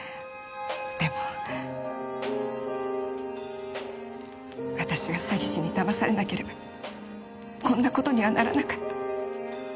でも私が詐欺師にだまされなければこんな事にはならなかった。